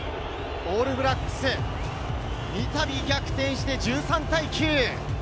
オールブラックス、三度、逆転して１３対９。